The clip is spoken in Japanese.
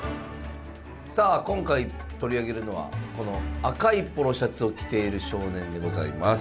さあ今回取り上げるのはこの赤いポロシャツを着ている少年でございます。